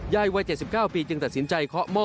ยายวัยเจ็ดสิบเก้าปีจึงตัดสินใจเคาะหมอ